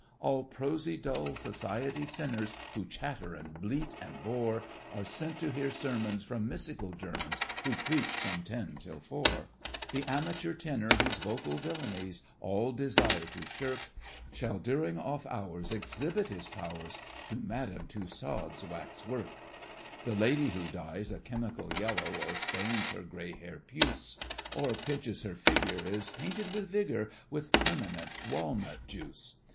All prosy dull society sinners, Who chatter and bleat and bore, Are sent to hear sermons From mystical Germans Who preach from ten till four. The amateur tenor, whose vocal villainies All desire to shirk, Shall, during off hours, Exhibit his powers To Madame Tussaud's waxwork. The lady who dyes a chemical yellow Or stains her grey hair puce, Or pinches her figure, Is painted with vigour With permanent walnut juice.